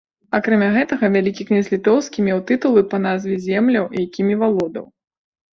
Акрамя гэтага, вялікі князь літоўскі меў тытулы па назве земляў, якімі валодаў.